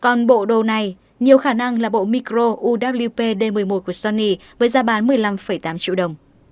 còn bộ đồ này nhiều khả năng là bộ micro up d một mươi một của sony với giá bán một mươi năm tám triệu đồng